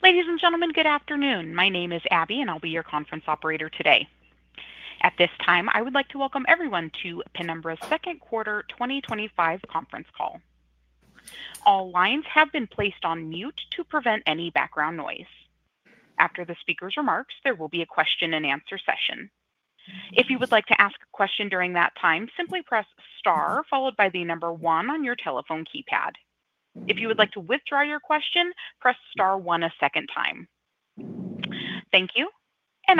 Ladies and gentlemen, good afternoon. My name is Abby, and I'll be your conference operator today. At this time, I would like to welcome everyone to Penumbra's Second quarter 2025 Conference Call. All lines have been placed on mute to prevent any background noise. After the speaker's remarks, there will be a question-and-answer session. If you would like to ask a question during that time, simply press star followed by the number one on your telephone keypad. If you would like to withdraw your question, press star one a second time. Thank you.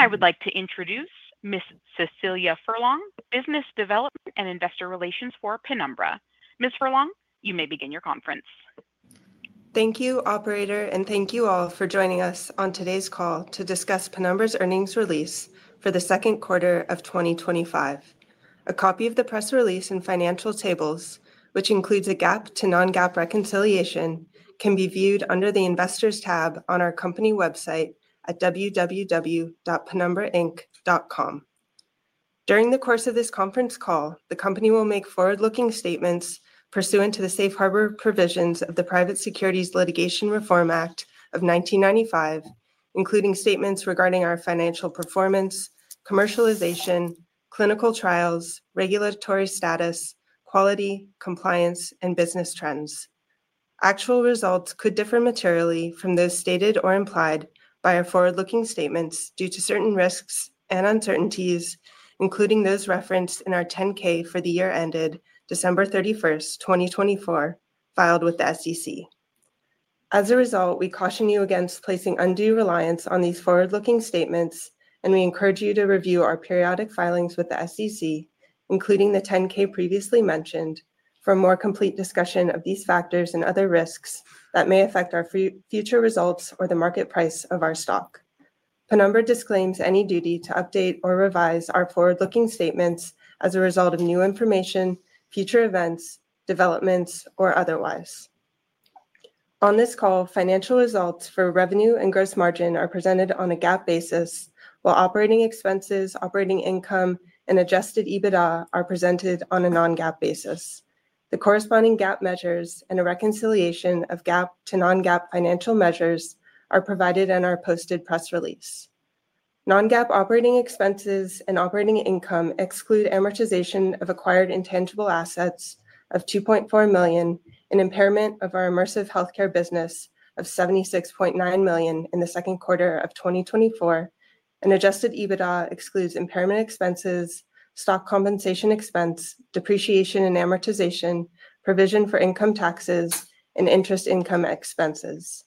I would like to introduce Ms. Cecilia Furlong, Business Development and Investor Relations for Penumbra. Ms. Furlong, you may begin your conference. Thank you, Operator, and thank you all for joining us on today's call to discuss Penumbra's earnings release for the second quarter of 2025. A copy of the press release and financial tables, which includes a GAAP to non-GAAP reconciliation, can be viewed under the Investors tab on our company website at www.penumbrainc.com. During the course of this conference call, the company will make forward-looking statements pursuant to the safe harbor provisions of the Private Securities Litigation Reform Act of 1995, including statements regarding our financial performance, commercialization, clinical trials, regulatory status, quality, compliance, and business trends. Actual results could differ materially from those stated or implied by our forward-looking statements due to certain risks and uncertainties, including those referenced in our 10-K for the year ended December 31, 2024, filed with the SEC. As a result, we caution you against placing undue reliance on these forward-looking statements, and we encourage you to review our periodic filings with the SEC, including the 10-K previously mentioned, for a more complete discussion of these factors and other risks that may affect our future results or the market price of our stock. Penumbra disclaims any duty to update or revise our forward-looking statements as a result of new information, future events, developments, or otherwise. On this call, financial results for revenue and gross margin are presented on a GAAP basis, while operating expenses, operating income, and adjusted EBITDA are presented on a non-GAAP basis. The corresponding GAAP measures and a reconciliation of GAAP to non-GAAP financial measures are provided in our posted press release. Non-GAAP operating expenses and operating income exclude amortization of acquired intangible assets of $2.4 million and impairment of our immersive healthcare business of $76.9 million in the second quarter of 2024, and adjusted EBITDA excludes impairment expenses, stock compensation expense, depreciation and amortization, provision for income taxes, and interest income expenses.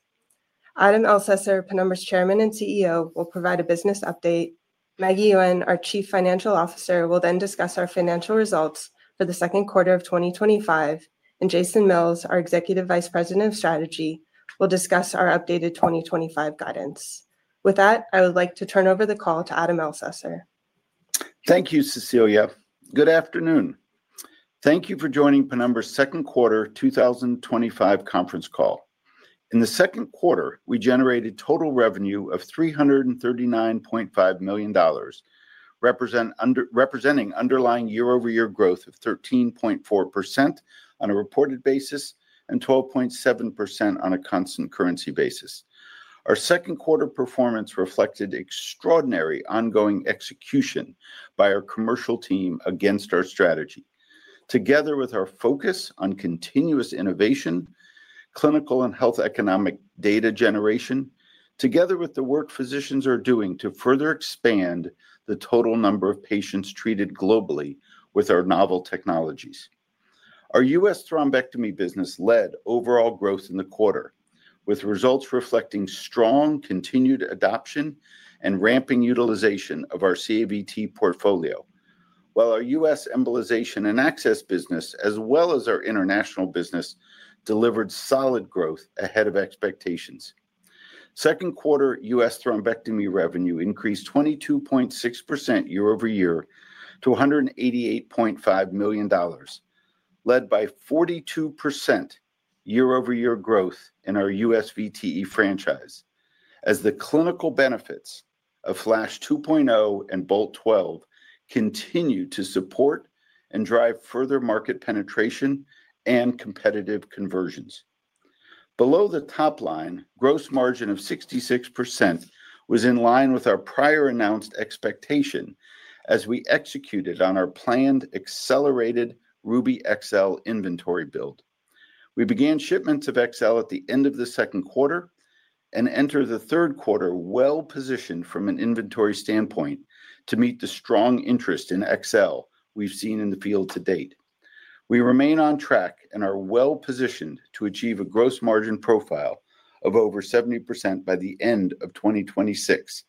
Adam Elsesser, Penumbra's Chairman and CEO, will provide a business update. Maggie Yuen, our Chief Financial Officer, will then discuss our financial results for the second quarter of 2025, and Jason Mills, our Executive Vice President of Strategy, will discuss our updated 2025 guidance. With that, I would like to turn over the call to Adam Elsesser. Thank you, Cecilia. Good afternoon. Thank you for joining Penumbra's second quarter 2025 conference call. In the second quarter, we generated total revenue of $339.5 million, representing underlying year-over-year growth of 13.4% on a reported basis and 12.7% on a constant currency basis. Our second quarter performance reflected extraordinary ongoing execution by our commercial team against our strategy, together with our focus on continuous innovation, clinical and health economic data generation, together with the work physicians are doing to further expand the total number of patients treated globally with our novel technologies. Our U.S. thrombectomy business led overall growth in the quarter, with results reflecting strong continued adoption and ramping utilization of our CAVT portfolio, while our U.S. embolization and access business, as well as our international business, delivered solid growth ahead of expectations. Second quarter U.S. thrombectomy revenue increased 22.6% year-over-year to $188.5 million, led by 42% year-over-year growth in our U.S. VTE franchise, as the clinical benefits of FLASH 2.0 and Bolt 12 continue to support and drive further market penetration and competitive conversions. Below the top line, gross margin of 66% was in line with our prior announced expectation as we executed on our planned accelerated Ruby XL inventory build. We began shipments of XL at the end of the second quarter and entered the third quarter well-positioned from an inventory standpoint to meet the strong interest in XL we've seen in the field to date. We remain on track and are well-positioned to achieve a gross margin profile of over 70% by the end of 2026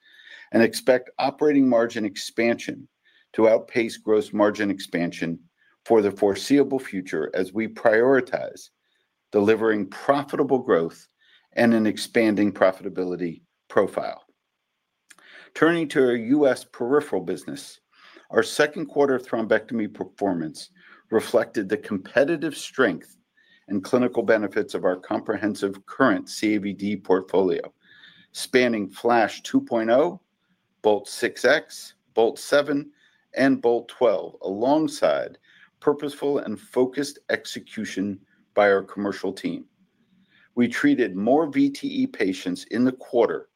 and expect operating margin expansion to outpace gross margin expansion for the foreseeable future as we prioritize delivering profitable growth and an expanding profitability profile. Turning to our U.S. peripheral business, our second quarter thrombectomy performance reflected the competitive strength and clinical benefits of our comprehensive current CAVT portfolio, spanning FLASH 2.0, Bolt 6X, Bolt 7, and Bolt 12, alongside purposeful and focused execution by our commercial team. We treated more VTE patients in the quarter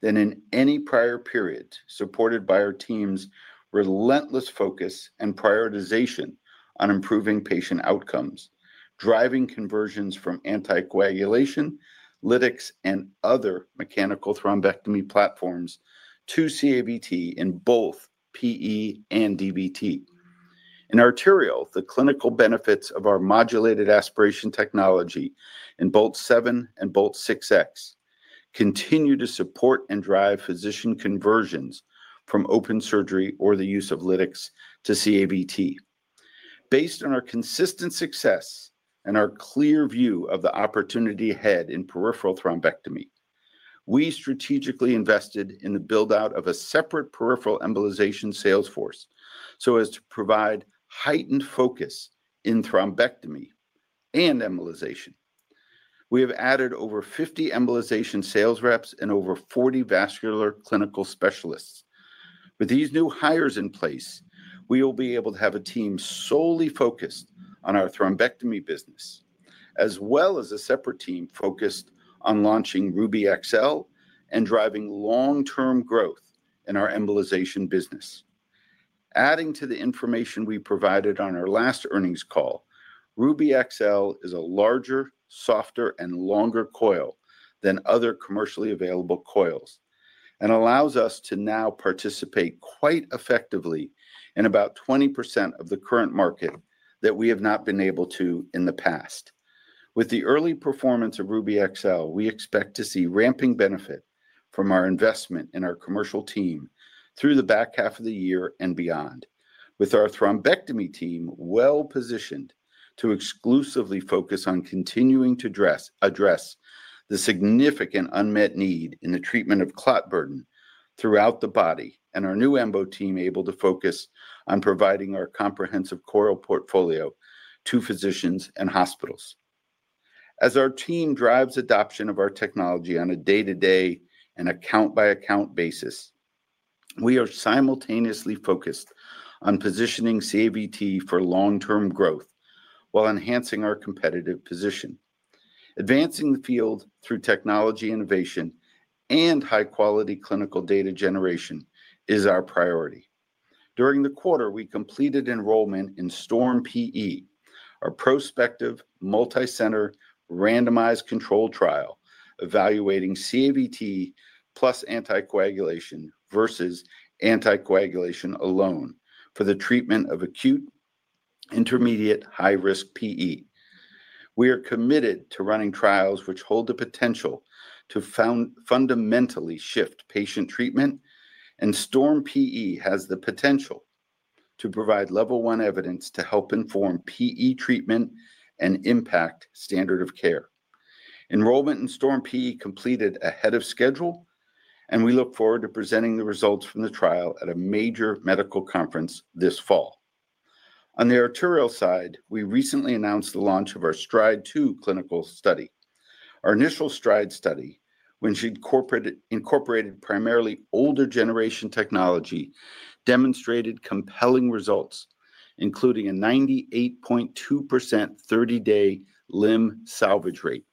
than in any prior period, supported by our team's relentless focus and prioritization on improving patient outcomes, driving conversions from anticoagulation, lytics, and other mechanical thrombectomy platforms to CAVT in both PE and DVT. In arterial, the clinical benefits of our modulated aspiration technology in Bolt 7 and Bolt 6X continue to support and drive physician conversions from open surgery or the use of lytics to CAVT. Based on our consistent success and our clear view of the opportunity ahead in peripheral thrombectomy, we strategically invested in the build-out of a separate peripheral embolization sales force so as to provide heightened focus in thrombectomy and embolization. We have added over 50 embolization sales reps and over 40 vascular clinical specialists. With these new hires in place, we will be able to have a team solely focused on our thrombectomy business, as well as a separate team focused on launching Ruby XL and driving long-term growth in our embolization business. Adding to the information we provided on our last earnings call, Ruby XL is a larger, softer, and longer coil than other commercially available coils and allows us to now participate quite effectively in about 20% of the current market that we have not been able to in the past. With the early performance of Ruby XL, we expect to see ramping benefit from our investment in our commercial team through the back half of the year and beyond, with our thrombectomy team well-positioned to exclusively focus on continuing to address the significant unmet need in the treatment of clot burden throughout the body and our new EMBO team able to focus on providing our comprehensive coil portfolio to physicians and hospitals. As our team drives adoption of our technology on a day-to-day and account-by-account basis, we are simultaneously focused on positioning CAVT for long-term growth while enhancing our competitive position. Advancing the field through technology innovation and high-quality clinical data generation is our priority. During the quarter, we completed enrollment in STORM-PE, our prospective multi-center randomized controlled trial evaluating CAVT plus anticoagulation versus anticoagulation alone for the treatment of acute intermediate high-risk PE. We are committed to running trials which hold the potential to fundamentally shift patient treatment, and STORM-PE has the potential to provide level one evidence to help inform PE treatment and impact standard of care. Enrollment in STORM-PE completed ahead of schedule, and we look forward to presenting the results from the trial at a major medical conference this fall. On the arterial side, we recently announced the launch of our STRIDE II clinical study. Our initial STRIDE study, which incorporated primarily older generation technology, demonstrated compelling results, including a 98.2% 30-day limb salvage rate.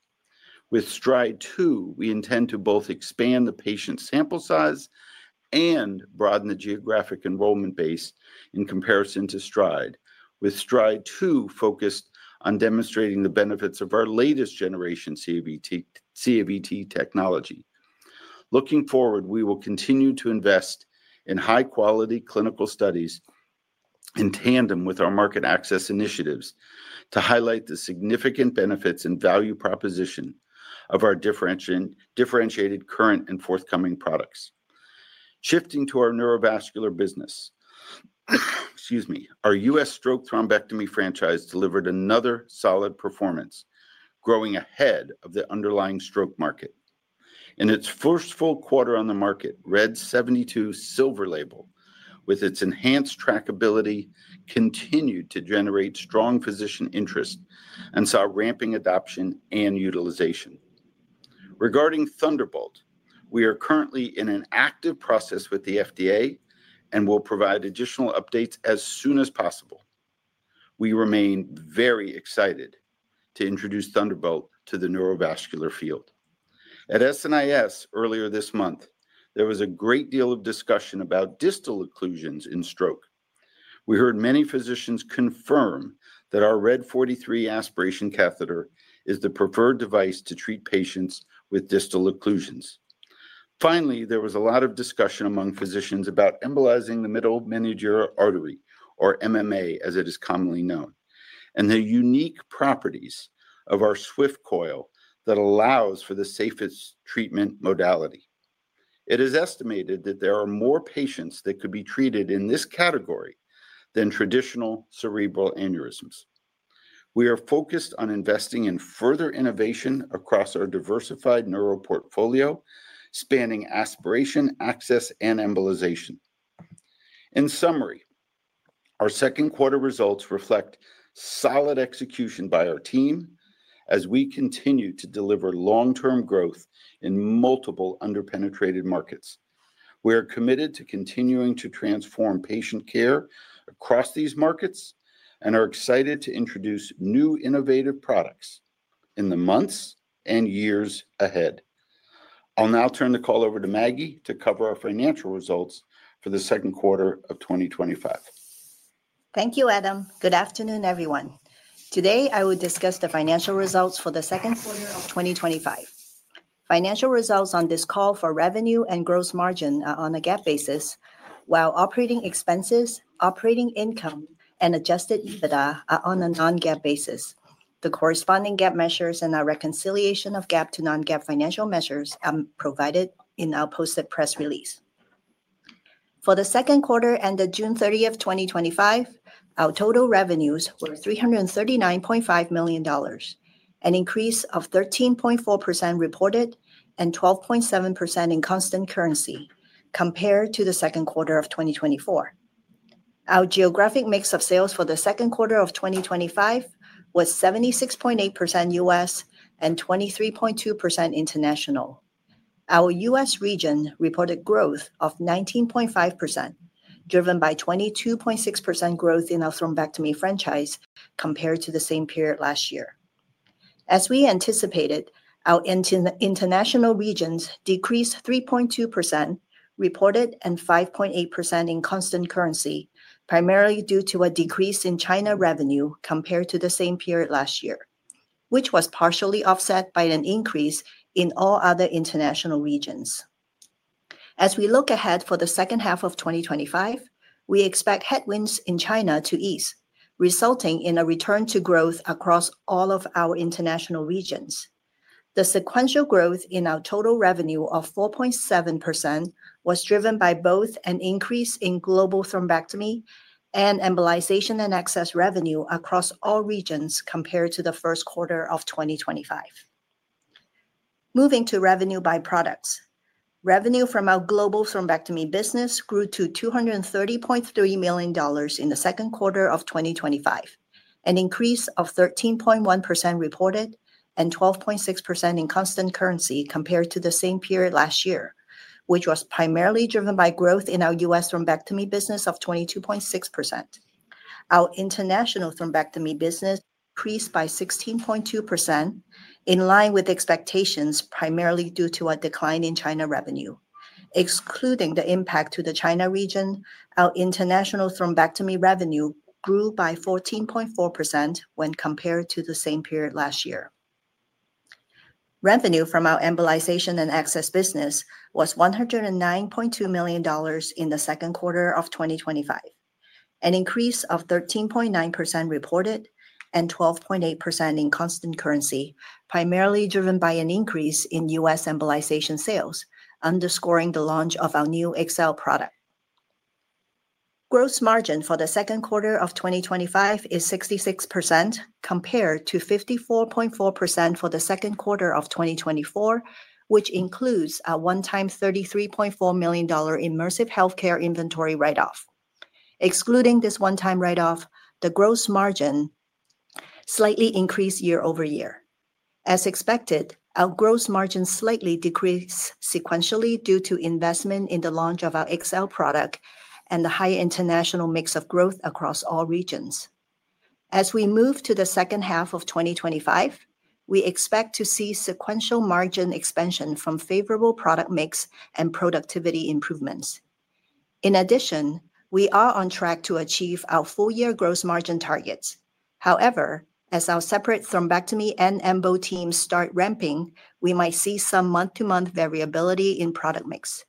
With STRIDE II, we intend to both expand the patient sample size and broaden the geographic enrollment base in comparison to STRIDE, with STRIDE II focused on demonstrating the benefits of our latest generation CAVT technology. Looking forward, we will continue to invest in high-quality clinical studies in tandem with our market access initiatives to highlight the significant benefits and value proposition of our differentiated current and forthcoming products. Shifting to our neurovascular business, excuse me, our U.S. stroke thrombectomy franchise delivered another solid performance, growing ahead of the underlying stroke market. In its first full quarter on the market, Red 72 Silver Label, with its enhanced trackability, continued to generate strong physician interest and saw ramping adoption and utilization. Regarding Thunderbolt, we are currently in an active process with the FDA and will provide additional updates as soon as possible. We remain very excited to introduce Thunderbolt to the neurovascular field. At SNIS earlier this month, there was a great deal of discussion about distal occlusions in stroke. We heard many physicians confirm that our RED 43 aspiration catheter is the preferred device to treat patients with distal occlusions. Finally, there was a lot of discussion among physicians about embolizing the middle meningeal artery, or MMA as it is commonly known, and the unique properties of our Swift coil that allows for the safest treatment modality. It is estimated that there are more patients that could be treated in this category than traditional cerebral aneurysms. We are focused on investing in further innovation across our diversified neuro portfolio, spanning aspiration, access, and embolization. In summary, our second quarter results reflect solid execution by our team as we continue to deliver long-term growth in multiple under-penetrated markets. We are committed to continuing to transform patient care across these markets and are excited to introduce new innovative products in the months and years ahead. I'll now turn the call over to Maggie to cover our financial results for the second quarter of 2025. Thank you, Adam. Good afternoon, everyone. Today, I will discuss the financial results for the second quarter of 2025. Financial results on this call for revenue and gross margin are on a GAAP basis while operating expenses, operating income, and adjusted EBITDA are on a non-GAAP basis. The corresponding GAAP measures and our reconciliation of GAAP to non-GAAP financial measures are provided in our posted press release. For the second quarter ended June 30, 2025, our total revenues were $339.5 million, an increase of 13.4% reported and 12.7% in constant currency compared to the second quarter of 2024. Our geographic mix of sales for the second quarter of 2025 was 76.8% U.S. and 23.2% international. Our U.S. region reported growth of 19.5%, driven by 22.6% growth in our thrombectomy franchise compared to the same period last year. As we anticipated, our international regions decreased 3.2% reported and 5.8% in constant currency, primarily due to a decrease in China revenue compared to the same period last year, which was partially offset by an increase in all other international regions. As we look ahead for the second half of 2025, we expect headwinds in China to ease, resulting in a return to growth across all of our international regions. The sequential growth in our total revenue of 4.7% was driven by both an increase in global thrombectomy and embolization and access revenue across all regions compared to the first quarter of 2025. Moving to revenue by products, revenue from our global thrombectomy business grew to $230.3 million in the second quarter of 2025, an increase of 13.1% reported and 12.6% in constant currency compared to the same period last year, which was primarily driven by growth in our U.S. thrombectomy business of 22.6%. Our international thrombectomy business decreased by 16.2%, in line with expectations, primarily due to a decline in China revenue. Excluding the impact to the China region, our international thrombectomy revenue grew by 14.4% when compared to the same period last year. Revenue from our embolization and access business was $109.2 million in the second quarter of 2025, an increase of 13.9% reported and 12.8% in constant currency, primarily driven by an increase in U.S. embolization sales, underscoring the launch of our new XL product. Gross margin for the second quarter of 2025 is 66% compared to 54.4% for the second quarter of 2024, which includes a one-time $33.4 million immersive healthcare inventory write-off. Excluding this one-time write-off, the gross margin slightly increased year over year. As expected, our gross margin slightly decreased sequentially due to investment in the launch of our XL product and the high international mix of growth across all regions. As we move to the second half of 2025, we expect to see sequential margin expansion from favorable product mix and productivity improvements. In addition, we are on track to achieve our full-year gross margin targets. However, as our separate thrombectomy and EMBO teams start ramping, we might see some month-to-month variability in product mix.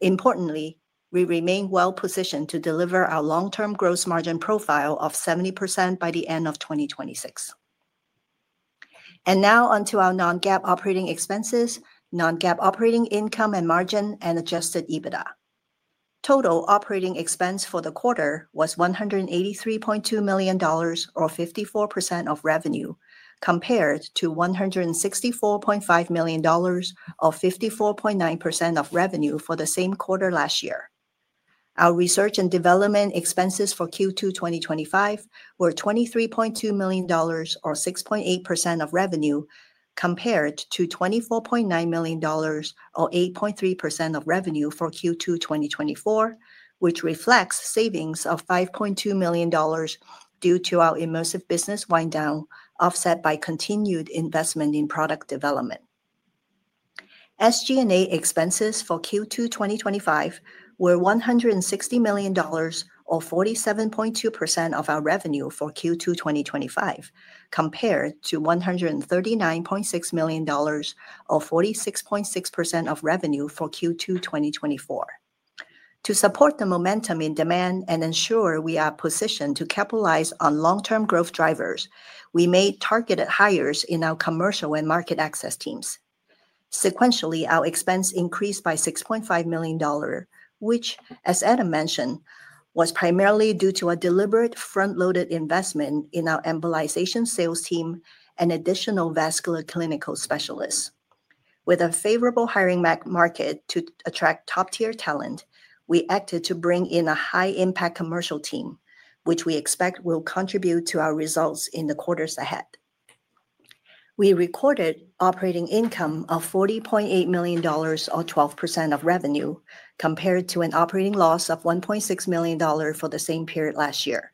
Importantly, we remain well-positioned to deliver our long-term gross margin profile of 70% by the end of 2026. Now onto our non-GAAP operating expenses, non-GAAP operating income and margin, and adjusted EBITDA. Total operating expense for the quarter was $183.2 million, or 54% of revenue, compared to $164.5 million, or 54.9% of revenue for the same quarter last year. Our research and development expenses for Q2 2025 were $23.2 million, or 6.8% of revenue, compared to $24.9 million, or 8.3% of revenue for Q2 2024, which reflects savings of $5.2 million due to our immersive business wind-down, offset by continued investment in product development. SG&A expenses for Q2 2025 were $160 million, or 47.2% of our revenue for Q2 2025, compared to $139.6 million, or 46.6% of revenue for Q2 2024. To support the momentum in demand and ensure we are positioned to capitalize on long-term growth drivers, we made targeted hires in our commercial and market access teams. Sequentially, our expense increased by $6.5 million, which, as Adam mentioned, was primarily due to a deliberate front-loaded investment in our embolization sales team and additional vascular clinical specialists. With a favorable hiring market to attract top-tier talent, we acted to bring in a high-impact commercial team, which we expect will contribute to our results in the quarters ahead. We recorded operating income of $40.8 million, or 12% of revenue, compared to an operating loss of $1.6 million for the same period last year,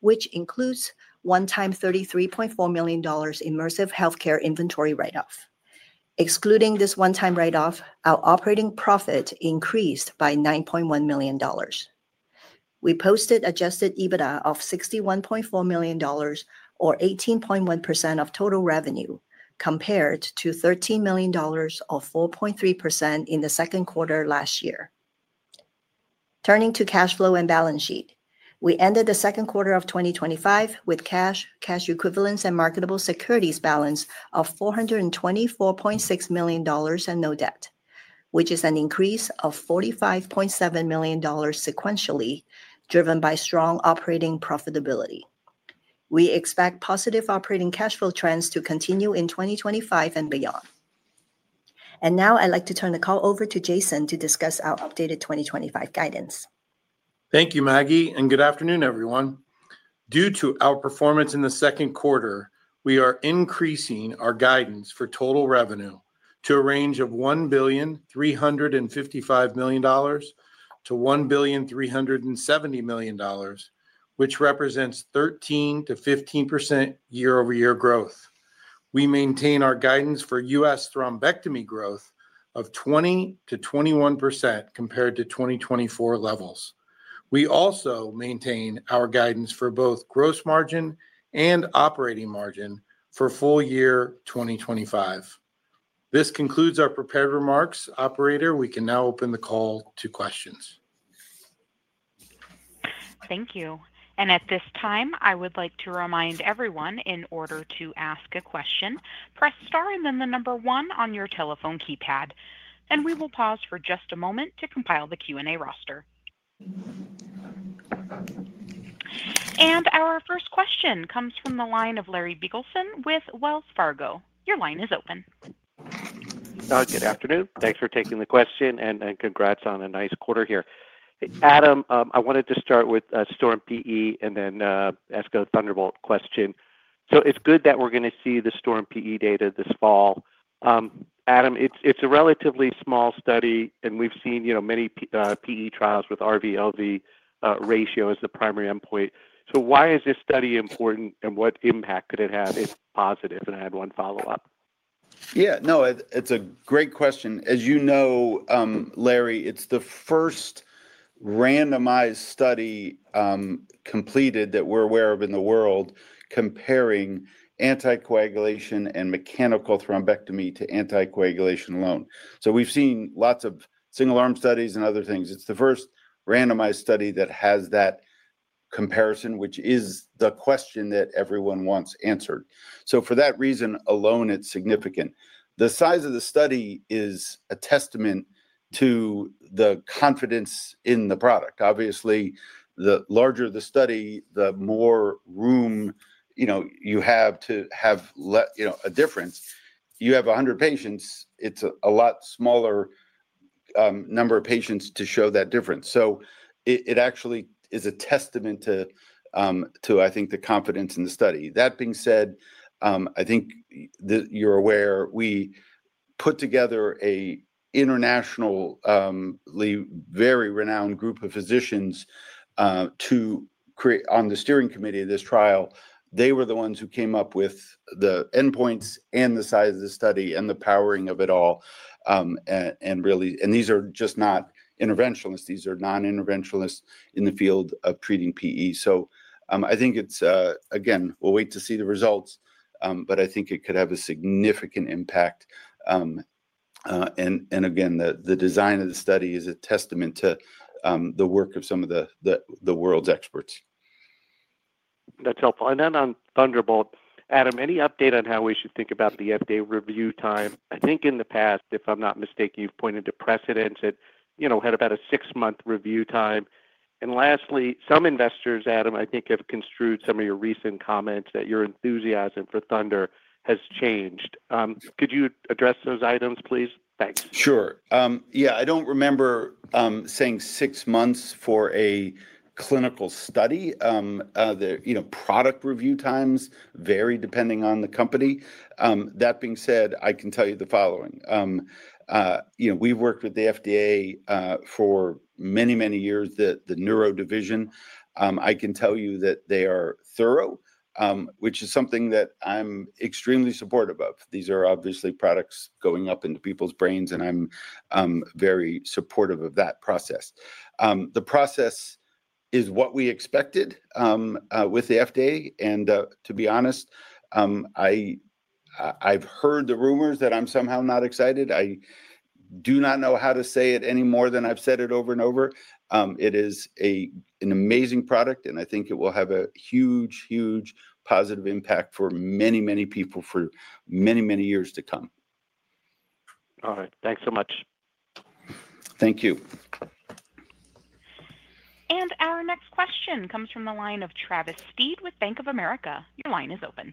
which includes a one-time $33.4 million immersive healthcare inventory write-off. Excluding this one-time write-off, our operating profit increased by $9.1 million. We posted adjusted EBITDA of $61.4 million, or 18.1% of total revenue, compared to $13 million, or 4.3% in the second quarter last year. Turning to cash flow and balance sheet, we ended the second quarter of 2025 with cash, cash equivalents, and marketable securities balance of $424.6 million and no debt, which is an increase of $45.7 million sequentially, driven by strong operating profitability. We expect positive operating cash flow trends to continue in 2025 and beyond. Now I'd like to turn the call over to Jason to discuss our updated 2025 guidance. Thank you, Maggie, and good afternoon, everyone. Due to our performance in the second quarter, we are increasing our guidance for total revenue to a range of $1,355 million-$1,370 million, which represents 13%-15% year-over-year growth. We maintain our guidance for U.S. thrombectomy growth of 20%-21% compared to 2024 levels. We also maintain our guidance for both gross margin and operating margin for full year 2025. This concludes our prepared remarks. Operator, we can now open the call to questions. Thank you. At this time, I would like to remind everyone, in order to ask a question, press star and then the number one on your telephone keypad. We will pause for just a moment to compile the Q&A roster. Our first question comes from the line of Larry Beagleson with Wells Fargo. Your line is open. Good afternoon. Thanks for taking the question and congrats on a nice quarter here. Adam, I wanted to start with STORM-PE and then ask a Thunderbolt question. It is good that we are going to see the STORM-PE data this fall. Adam, it is a relatively small study, and we have seen many PE trials with RV/LV ratio as the primary endpoint. Why is this study important? And what impact could it have if positive? I had one follow-up. Yeah, no, it's a great question. As you know, Larry, it's the first randomized study completed that we're aware of in the world comparing anticoagulation and mechanical thrombectomy to anticoagulation alone. We've seen lots of single-arm studies and other things. It's the first randomized study that has that comparison, which is the question that everyone wants answered. For that reason alone, it's significant. The size of the study is a testament to the confidence in the product. Obviously, the larger the study, the more room you have to have a difference. You have 100 patients, it's a lot smaller number of patients to show that difference. It actually is a testament to, I think, the confidence in the study. That being said, I think you're aware, we put together an international, very renowned group of physicians on the steering committee of this trial. They were the ones who came up with the endpoints and the size of the study and the powering of it all. Really, these are just not interventionalists. These are non-interventionalists in the field of treating PE. I think it's, again, we'll wait to see the results, but I think it could have a significant impact. Again, the design of the study is a testament to the work of some of the world's experts. That's helpful. Then on Thunderbolt, Adam, any update on how we should think about the FDA review time? I think in the past, if I'm not mistaken, you've pointed to precedents that had about a six-month review time. Lastly, some investors, Adam, I think, have construed some of your recent comments that your enthusiasm for Thunder has changed. Could you address those items, please? Thanks. Sure. Yeah, I do not remember saying six months for a clinical study. The product review times vary depending on the company. That being said, I can tell you the following. We have worked with the FDA for many, many years, the neuro division. I can tell you that they are thorough, which is something that I am extremely supportive of. These are obviously products going up into people's brains, and I am very supportive of that process. The process is what we expected with the FDA. To be honest, I have heard the rumors that I am somehow not excited. I do not know how to say it any more than I have said it over and over. It is an amazing product, and I think it will have a huge, huge positive impact for many, many people for many, many years to come. All right. Thanks so much. Thank you. Our next question comes from the line of Travis Steed with Bank of America. Your line is open.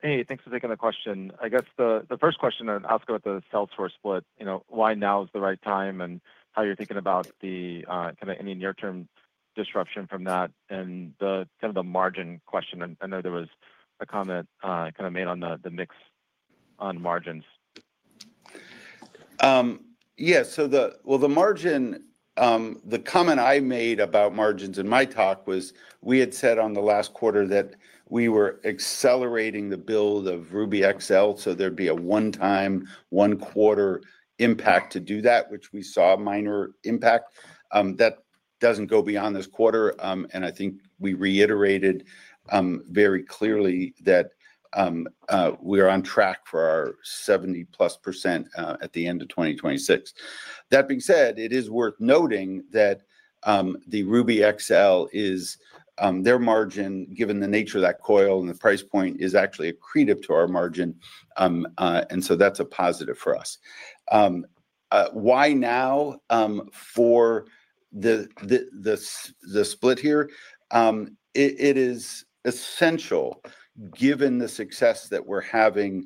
Hey, thanks for taking the question. I guess the first question I'd ask about the sales force split, why now is the right time and how you're thinking about the kind of any near-term disruption from that and kind of the margin question. I know there was a comment kind of made on the mix on margins. Yeah, so the margin, the comment I made about margins in my talk was we had said on the last quarter that we were accelerating the build of Ruby XL, so there'd be a one-time, one-quarter impact to do that, which we saw a minor impact. That doesn't go beyond this quarter. I think we reiterated very clearly that we are on track for our 7 plus percent at the end of 2026. That being said, it is worth noting that the Ruby XL is, their margin, given the nature of that coil the price point, is actually accretive to our margin. That's a positive for us. Why now for the split here? It is essential given the success that we're having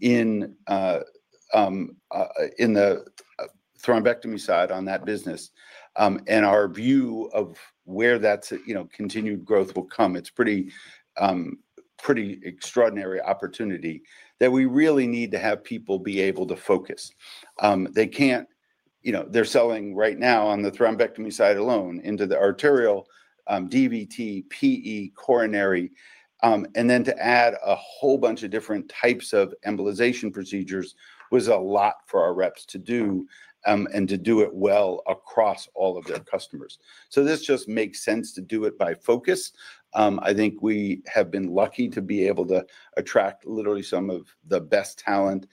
in the thrombectomy side on that business, and our view of where that continued growth will come, it's a pretty extraordinary opportunity that we really need to have people be able to focus. They can't. They're selling right now on the thrombectomy side alone into the arterial, DVT, PE, coronary. Then to add a whole bunch of different types of embolization procedures was a lot for our reps to do, and to do it well across all of their customers. This just makes sense to do it by focus. I think we have been lucky to be able to attract literally some of the best talent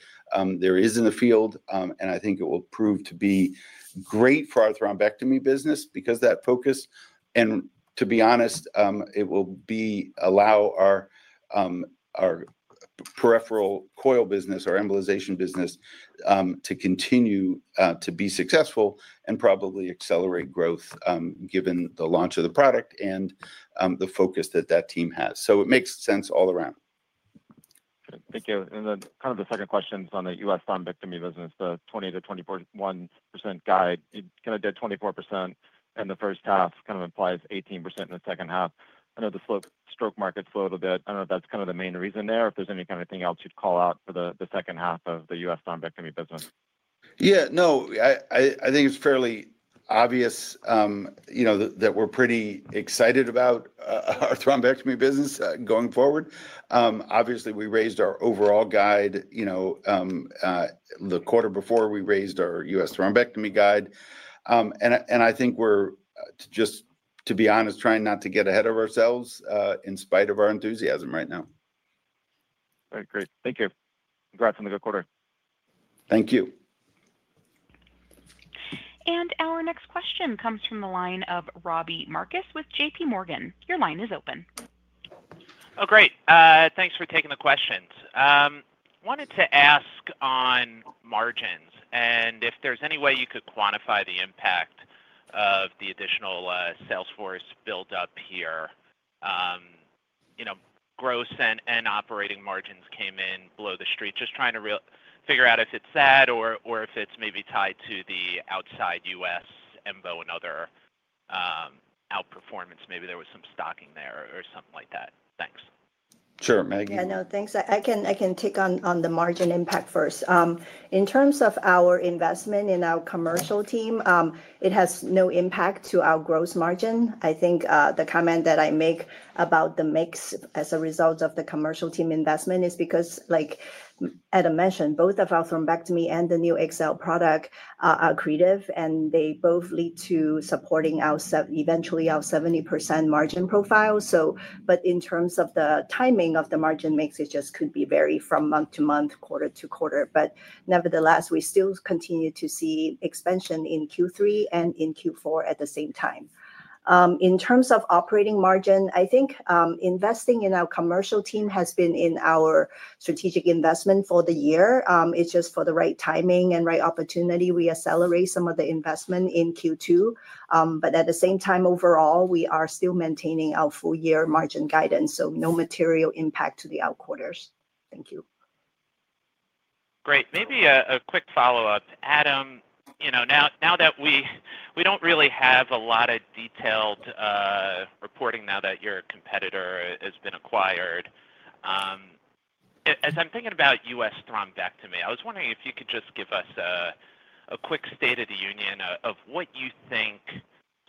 there is in the field. I think it will prove to be great for our thrombectomy business because that focus, and to be honest, it will allow our peripheral coil business, our embolization business, to continue to be successful and probably accelerate growth given the launch of the product and the focus that that team has. It makes sense all around. Thank you. Then kind of the second question is on the U.S. thrombectomy business, the 20%-21% guide. It kind of did 24% in the first half, kind of implies 18% in the second half. I know the stroke market slowed a bit. I do not know if that is kind of the main reason there, if there is any kind of thing else you would call out for the second half of the U.S. thrombectomy business. Yeah, no, I think it's fairly obvious that we're pretty excited about our thrombectomy business going forward. Obviously, we raised our overall guide the quarter before, we raised our U.S. thrombectomy guide. I think we're, just to be honest, trying not to get ahead of ourselves in spite of our enthusiasm right now. All right, great. Thank you. Congrats on the good quarter. Thank you. Our next question comes from the line of Robbie Marcus with JP Morgan. Your line is open. Oh, great. Thanks for taking the questions. Wanted to ask on margins and if there's any way you could quantify the impact of the additional sales force build-up here. Gross and operating margins came in below the street. Just trying to figure out if it's that or if it's maybe tied to the outside U.S. and other outperformance. Maybe there was some stocking there or something like that. Thanks. Sure, Maggie. Yeah, no, thanks. I can take on the margin impact first. In terms of our investment in our commercial team, it has no impact to our gross margin. I think the comment that I make about the mix as a result of the commercial team investment is because, as I mentioned, both of our thrombectomy and the new XL product are accretive, and they both lead to supporting eventually our 70% margin profile. In terms of the timing of the margin mix, it just could be varied from month to month, quarter to quarter. Nevertheless, we still continue to see expansion in Q3 and in Q4 at the same time. In terms of operating margin, I think investing in our commercial team has been in our strategic investment for the year. It's just for the right timing and right opportunity, we accelerate some of the investment in Q2. At the same time, overall, we are still maintaining our full-year margin guidance, so no material impact to the outquarters. Thank you. Great. Maybe a quick follow-up. Adam, now that we do not really have a lot of detailed reporting now that your competitor has been acquired. As I am thinking about U.S. thrombectomy, I was wondering if you could just give us a quick state of the union of what you think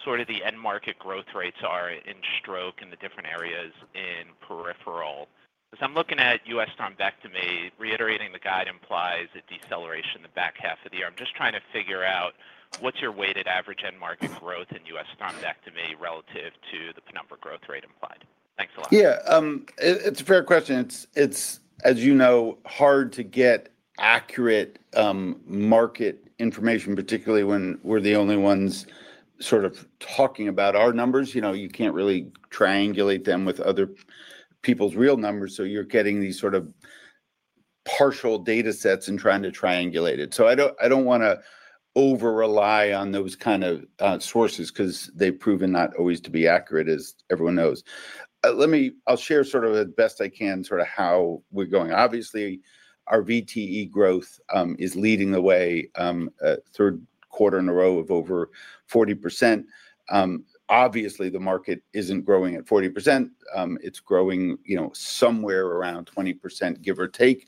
sort of the end market growth rates are in stroke and the different areas in peripheral. Because I am looking at U.S. thrombectomy, reiterating the guide implies a deceleration in the back half of the year. I am just trying to figure out what is your weighted average end market growth in U.S. thrombectomy relative to the number growth rate implied. Thanks a lot. Yeah, it's a fair question. It's, as you know, hard to get accurate market information, particularly when we're the only ones sort of talking about our numbers. You can't really triangulate them with other people's real numbers. You're getting these sort of partial data sets and trying to triangulate it. I don't want to over-rely on those kind of sources because they've proven not always to be accurate, as everyone knows. I'll share sort of as best I can sort of how we're going. Obviously, our VTE growth is leading the way. Third quarter in a row of over 40%. Obviously, the market isn't growing at 40%. It's growing somewhere around 20%, give or take,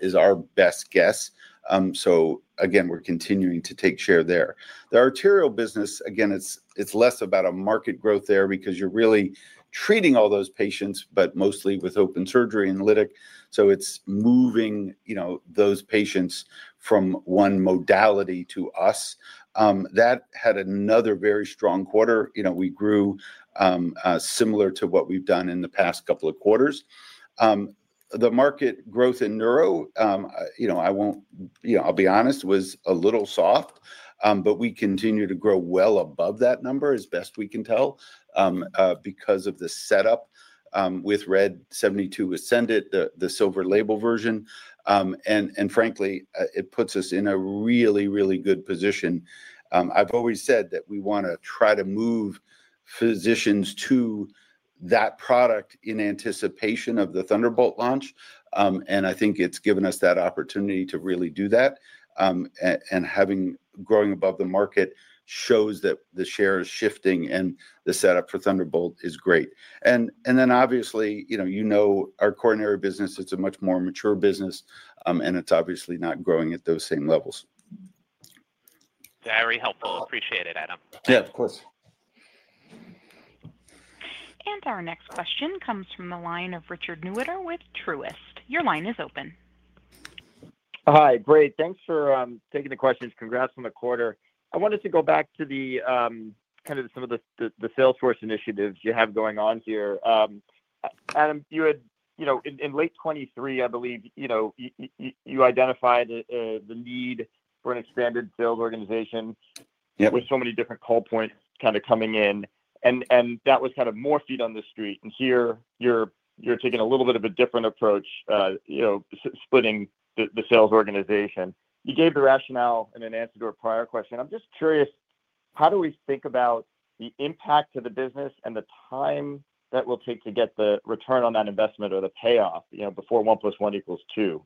is our best guess. Again, we're continuing to take share there. The arterial business, again, it's less about a market growth there because you're really treating all those patients, but mostly with open surgery analytic. It's moving those patients from one modality to us. That had another very strong quarter. We grew similar to what we've done in the past couple of quarters. The market growth in neuro, I'll be honest, was a little soft, but we continue to grow well above that number as best we can tell. Because of the setup with Red 72 Silver Label, the silver label version. Frankly, it puts us in a really, really good position. I've always said that we want to try to move physicians to that product in anticipation of the Thunderbolt launch. I think it's given us that opportunity to really do that. Growing above the market shows that the share is shifting and the setup for Thunderbolt is great. Obviously, you know our coronary business, it's a much more mature business. It's obviously not growing at those same levels. Very helpful. Appreciate it, Adam. Yeah, of course. Our next question comes from the line of Richard Newitter with Truist. Your line is open. Hi, great. Thanks for taking the questions. Congrats on the quarter. I wanted to go back to kind of some of the sales force initiatives you have going on here. Adam, you had, in late 2023, I believe, you identified the need for an expanded sales organization. With so many different call points kind of coming in, and that was kind of more feet on the street. Here, you're taking a little bit of a different approach, splitting the sales organization. You gave the rationale in an answer to a prior question. I'm just curious, how do we think about the impact on the business and the time that will take to get the return on that investment or the payoff before 1 plus 1 equals 2?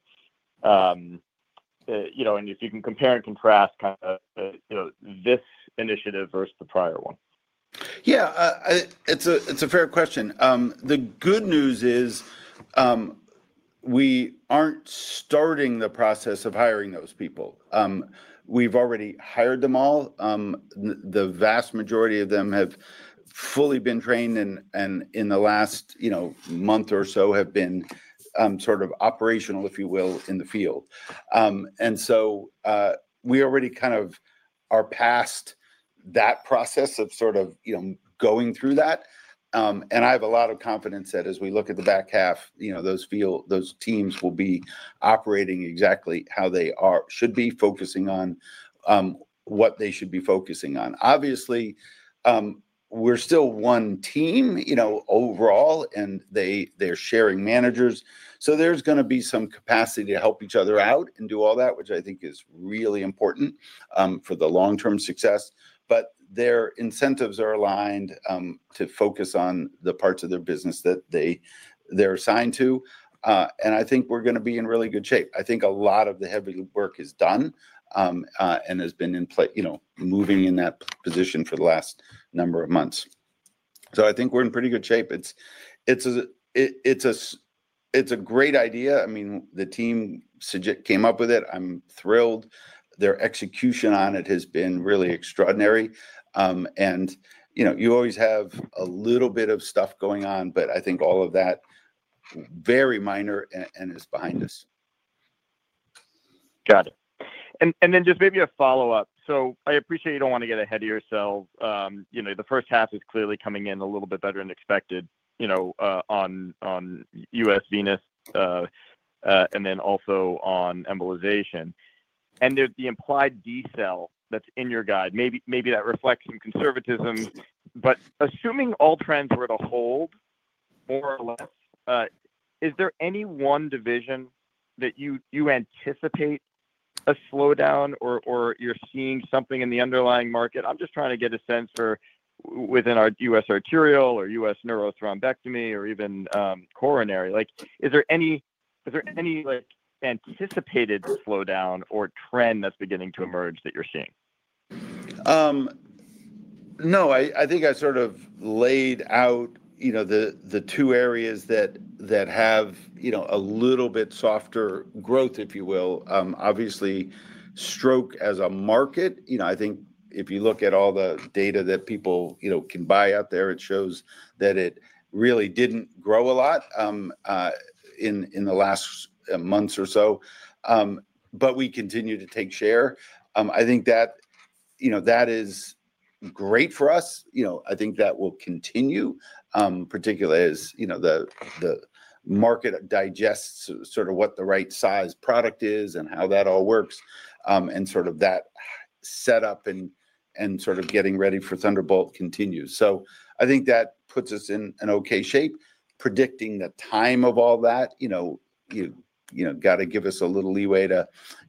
If you can compare and contrast kind of this initiative versus the prior one. Yeah, it's a fair question. The good news is we aren't starting the process of hiring those people. We've already hired them all. The vast majority of them have fully been trained and in the last month or so have been sort of operational, if you will, in the field. We already kind of are past that process of sort of going through that. I have a lot of confidence that as we look at the back half, those teams will be operating exactly how they should be focusing on what they should be focusing on. Obviously, we're still one team overall, and they're sharing managers. There's going to be some capacity to help each other out and do all that, which I think is really important for the long-term success. Their incentives are aligned to focus on the parts of their business that they're assigned to. I think we're going to be in really good shape. I think a lot of the heavy work is done and has been in moving in that position for the last number of months. I think we're in pretty good shape. It's a great idea. I mean, the team came up with it. I'm thrilled. Their execution on it has been really extraordinary. You always have a little bit of stuff going on, but I think all of that is very minor and is behind us. Got it. Just maybe a follow-up. I appreciate you don't want to get ahead of yourself. The first half is clearly coming in a little bit better than expected. On U.S. venous. And then also on embolization. The implied deceleration that's in your guide, maybe that reflects some conservatism, but assuming all trends were to hold, more or less, is there any one division that you anticipate a slowdown or you're seeing something in the underlying market? I'm just trying to get a sense for within our U.S. arterial or U.S. neuro thrombectomy or even coronary. Is there any anticipated slowdown or trend that's beginning to emerge that you're seeing? No, I think I sort of laid out. The two areas that have a little bit softer growth, if you will. Obviously, stroke as a market, I think if you look at all the data that people can buy out there, it shows that it really did not grow a lot in the last months or so. We continue to take share. I think that is great for us. I think that will continue, particularly as the market digests sort of what the right size product is and how that all works. Sort of that setup and sort of getting ready for Thunderbolt continues. I think that puts us in an okay shape. Predicting the time of all that, you have got to give us a little leeway.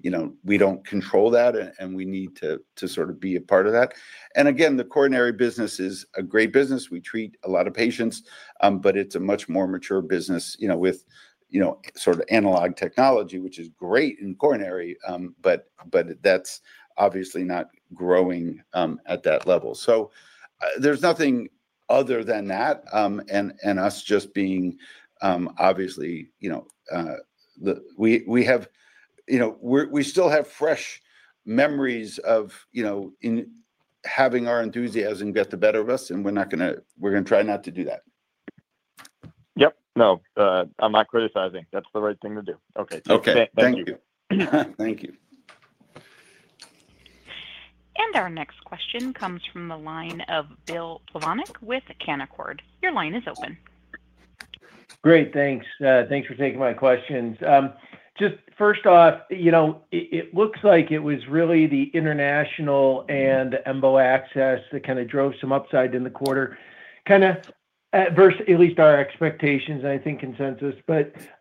We do not control that, and we need to sort of be a part of that. Again, the coronary business is a great business. We treat a lot of patients, but it is a much more mature business with sort of analog technology, which is great in coronary, but that is obviously not growing at that level. There is nothing other than that and us just being. Obviously, we still have fresh memories of having our enthusiasm get the better of us, and we are going to try not to do that. Yep. No, I'm not criticizing. That's the right thing to do. Okay. Okay. Thank you. Thank you. Our next question comes from the line of Bill Plovonik with Canaccord. Your line is open. Great. Thanks. Thanks for taking my questions. Just first off. It looks like it was really the international and the embo access that kind of drove some upside in the quarter, kind of. Versus at least our expectations and I think consensus.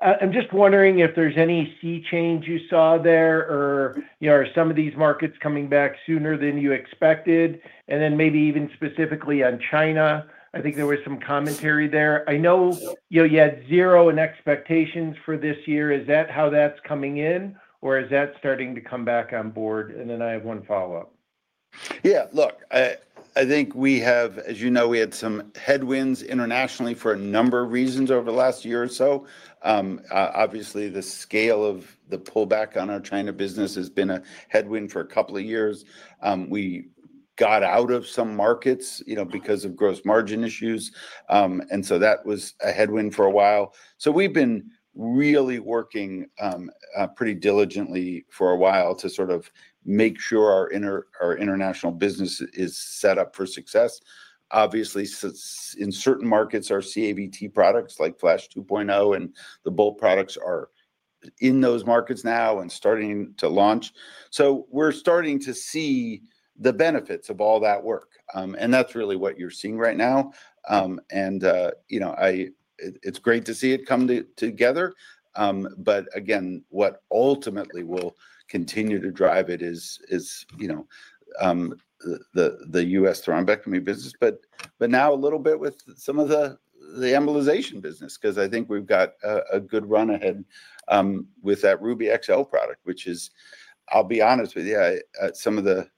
I'm just wondering if there's any sea change you saw there or are some of these markets coming back sooner than you expected? Maybe even specifically on China, I think there was some commentary there. I know you had zero in expectations for this year. Is that how that's coming in, or is that starting to come back on board? I have one follow-up. Yeah. Look, I think we have, as you know, we had some headwinds internationally for a number of reasons over the last year or so. Obviously, the scale of the pullback on our China business has been a headwind for a couple of years. We got out of some markets because of gross margin issues. That was a headwind for a while. We've been really working pretty diligently for a while to sort of make sure our international business is set up for success. Obviously, in certain markets, our CAVT products like FLASH 2.0 and the Bolt products are in those markets now and starting to launch. We're starting to see the benefits of all that work. That's really what you're seeing right now. It's great to see it come together. Again, what ultimately will continue to drive it is the U.S. thrombectomy business, but now a little bit with some of the embolization business because I think we've got a good run ahead with that Ruby XL product, which is, I'll be honest with you, some of the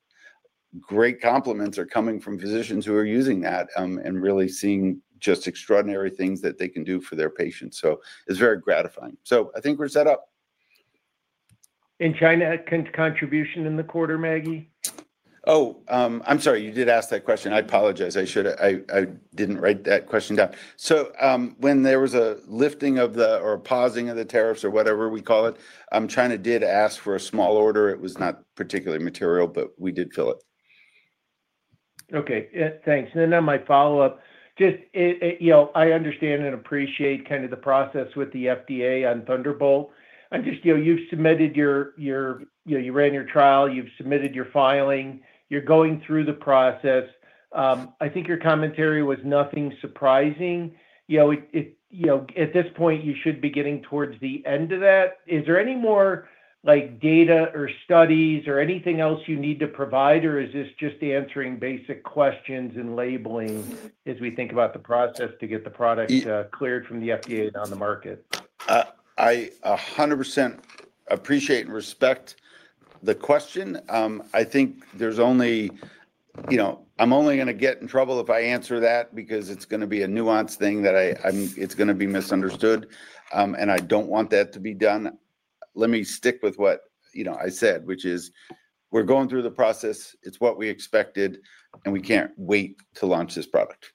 great compliments are coming from physicians who are using that and really seeing just extraordinary things that they can do for their patients. It's very gratifying. I think we're set up. China contribution in the quarter, Maggie? Oh, I'm sorry, you did ask that question. I apologize. I didn't write that question down. When there was a lifting of the or pausing of the tariffs or whatever we call it, China did ask for a small order. It was not particularly material, but we did fill it. Okay. Thanks. On my follow-up, just, I understand and appreciate kind of the process with the FDA on Thunderbolt. I'm just, you've submitted your, you ran your trial, you've submitted your filing, you're going through the process. I think your commentary was nothing surprising. At this point, you should be getting towards the end of that. Is there any more data or studies or anything else you need to provide, or is this just answering basic questions and labeling as we think about the process to get the product cleared from the FDA and on the market? I 100% appreciate and respect the question. I think there's only—I'm only going to get in trouble if I answer that because it's going to be a nuanced thing that it's going to be misunderstood. I don't want that to be done. Let me stick with what I said, which is we're going through the process. It's what we expected, and we can't wait to launch this product.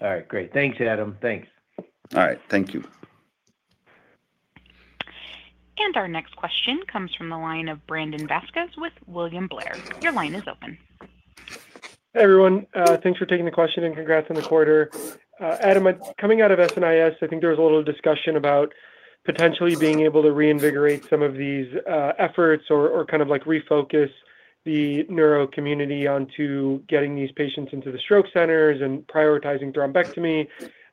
All right. Great. Thanks, Adam. Thanks. All right. Thank you. Our next question comes from the line of Brandon Vazquez with William Blair. Your line is open. Hey, everyone. Thanks for taking the question and congrats on the quarter. Adam, coming out of SNIS, I think there was a little discussion about potentially being able to reinvigorate some of these efforts or kind of like refocus the neuro community onto getting these patients into the stroke centers and prioritizing thrombectomy.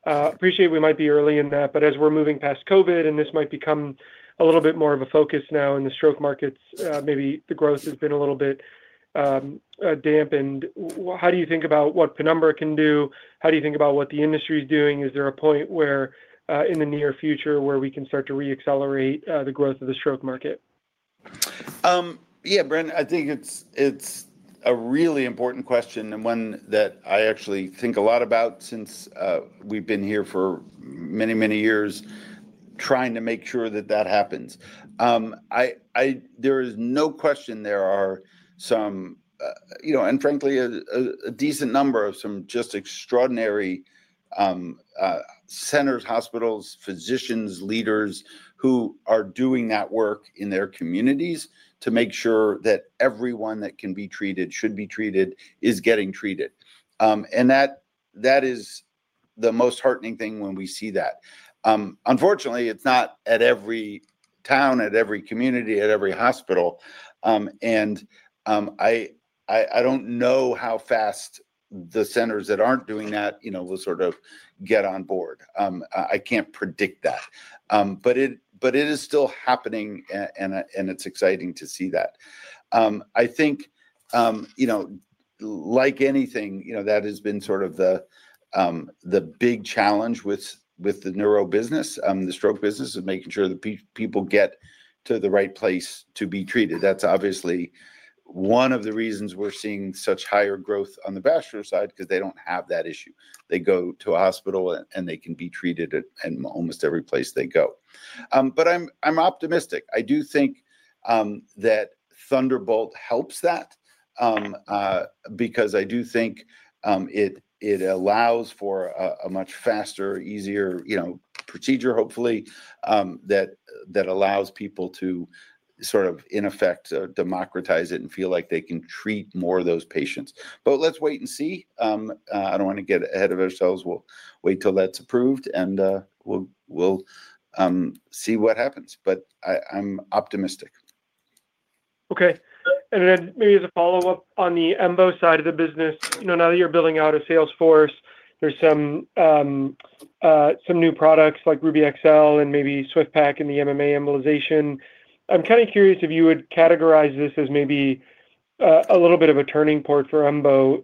Appreciate we might be early in that, but as we're moving past COVID and this might become a little bit more of a focus now in the stroke markets, maybe the growth has been a little bit dampened. How do you think about what Penumbra can do? How do you think about what the industry is doing? Is there a point in the near future where we can start to re-accelerate the growth of the stroke market? Yeah, Brandon, I think it's a really important question and one that I actually think a lot about since we've been here for many, many years. Trying to make sure that that happens. There is no question there are some, and frankly, a decent number of some just extraordinary centers, hospitals, physicians, leaders who are doing that work in their communities to make sure that everyone that can be treated, should be treated, is getting treated. That is the most heartening thing when we see that. Unfortunately, it's not at every town, at every community, at every hospital. I don't know how fast the centers that aren't doing that will sort of get on board. I can't predict that. It is still happening, and it's exciting to see that. I think, like anything, that has been sort of the big challenge with the neuro business, the stroke business, is making sure that people get to the right place to be treated. That's obviously one of the reasons we're seeing such higher growth on the vascular side because they don't have that issue. They go to a hospital, and they can be treated in almost every place they go. I'm optimistic. I do think that Thunderbolt helps that. I do think it allows for a much faster, easier procedure, hopefully, that allows people to sort of, in effect, democratize it and feel like they can treat more of those patients. Let's wait and see. I don't want to get ahead of ourselves. We'll wait till that's approved, and we'll see what happens. I'm optimistic. Okay. And then maybe as a follow-up on the mbo side of the business, now that you're building out a Salesforce, there's some new products like Ruby XL and maybe SwiftPAC and the MMA embolization. I'm kind of curious if you would categorize this as maybe a little bit of a turning point for EMBO.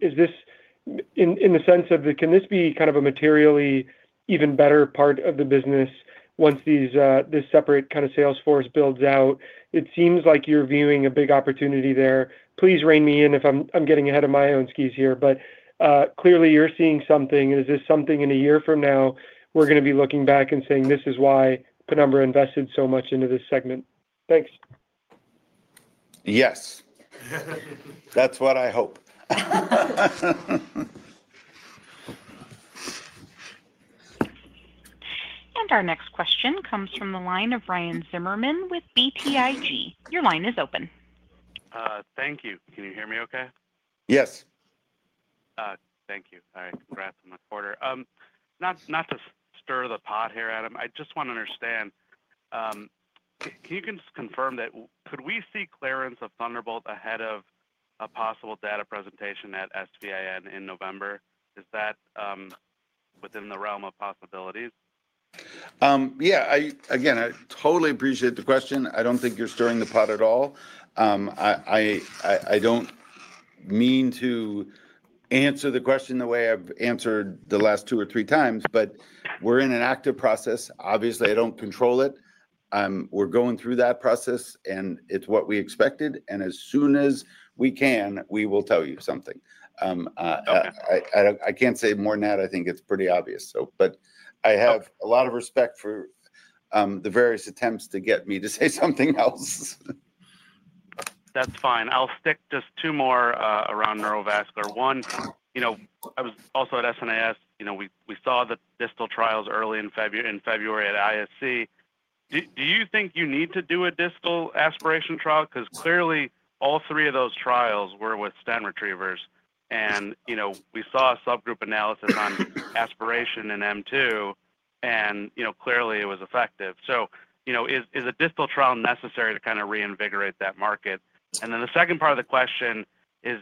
In the sense of, can this be kind of a materially even better part of the business once this separate kind of Salesforce builds out? It seems like you're viewing a big opportunity there. Please rein me in if I'm getting ahead of my own skis here. Clearly, you're seeing something. Is this something in a year from now we're going to be looking back and saying, "This is why Penumbra invested so much into this segment"? Thanks. Yes. That's what I hope. Our next question comes from the line of Ryan Zimmerman with BTIG. Your line is open. Thank you. Can you hear me okay? Yes. Thank you. All right. Congrats on the quarter. Not to stir the pot here, Adam, I just want to understand. Can you just confirm that could we see clearance of Thunderbolt ahead of a possible data presentation at SVIN in November? Is that within the realm of possibilities? Yeah. Again, I totally appreciate the question. I do not think you are stirring the pot at all. I do not mean to answer the question the way I have answered the last two or three times, but we are in an active process. Obviously, I do not control it. We are going through that process, and it is what we expected. As soon as we can, we will tell you something. I cannot say more than that. I think it is pretty obvious. I have a lot of respect for the various attempts to get me to say something else. That's fine. I'll stick just two more around neurovascular. One, I was also at SNIS. We saw the distal trials early in February at ISC. Do you think you need to do a distal aspiration trial? Because clearly, all three of those trials were with stent retrievers. We saw a subgroup analysis on aspiration and M2, and clearly, it was effective. Is a distal trial necessary to kind of reinvigorate that market? The second part of the question is,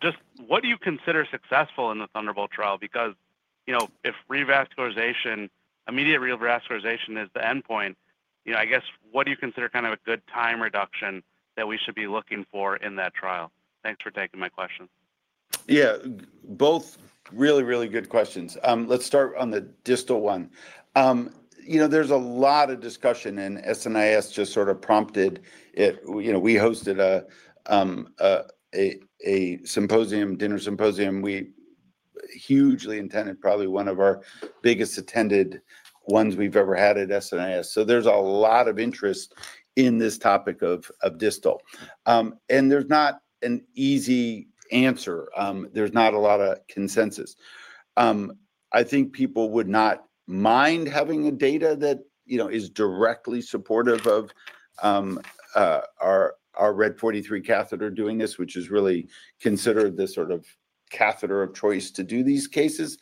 just what do you consider successful in the Thunderbolt trial? Because if immediate revascularization is the endpoint, I guess, what do you consider kind of a good time reduction that we should be looking for in that trial? Thanks for taking my question. Yeah. Both really, really good questions. Let's start on the distal one. There's a lot of discussion, and SNIS just sort of prompted it. We hosted a symposium, dinner symposium. We, hugely attended, probably one of our biggest attended ones we've ever had at SNIS. So there's a lot of interest in this topic of distal. And there's not an easy answer. There's not a lot of consensus. I think people would not mind having the data that is directly supportive of our Red 43 aspiration catheter doing this, which is really considered the sort of catheter of choice to do these cases.